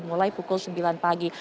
mulai pukul sembilan pagi